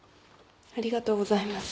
ありがとうございます。